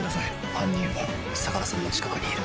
犯人は相良さんの近くにいる。